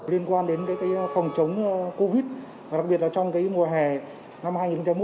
liên quan đến phòng chống covid đặc biệt trong mùa hè năm hai nghìn một